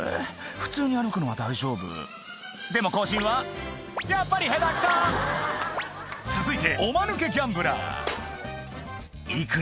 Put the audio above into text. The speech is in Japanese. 普通に歩くのは大丈夫でも行進はやっぱり下手クソ続いておマヌケギャンブラーいくら